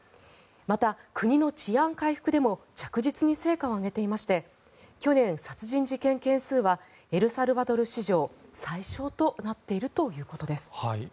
また国の治安回復でも着実に成果を上げていまして去年、殺人事件件数はエルサルバドル史上最少となっているということです。